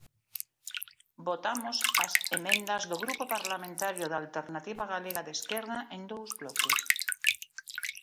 Votamos as emendas do Grupo Parlamentario da Alternativa Galega de Esquerda en dous bloques.